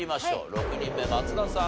６人目松田さん